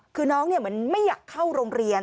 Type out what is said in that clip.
คือน้องเหมือนไม่อยากเข้าโรงเรียน